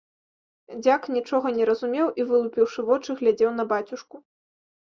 Дзяк нічога не разумеў і, вылупіўшы вочы, глядзеў на бацюшку.